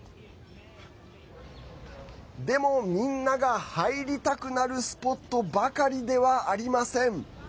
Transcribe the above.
でも、みんなが入りたくなるスポットばかりではありません。